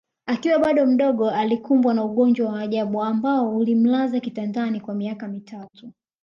Akiwa bado mdogo alikumbwa na ugonjwa wa ajabu ambao ulimlaza kitandani kwa miaka mitatu